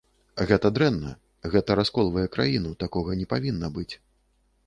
Гэта дрэнна, гэта расколвае краіну, такога не павінна быць.